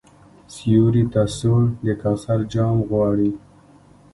سیوري ته سوړ د کوثر جام غواړي